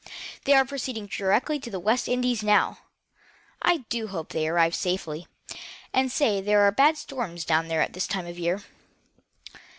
They are proceeding directly to the West Indies, now. I do hope they will arrive safely. They say there are bad storms down there at this time of year."